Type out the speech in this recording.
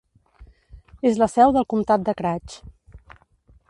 És la seu del comtat de Craig.